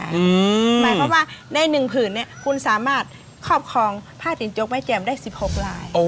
หมายความว่าในหนึ่งผืนคุณสามารถครอบครองผ้าติดโจ๊กไม่เจ็บได้๑๖ลาย